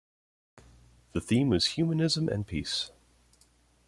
The theme was Humanism and Peace.